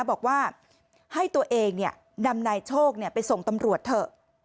บอกว่าให้ตัวเองนำนายโชคไปส่งตำรวจเถอะ